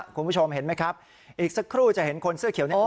คุณผู้ชมเห็นไหมครับอีกสักครู่จะเห็นคนเสื้อเขียวนี้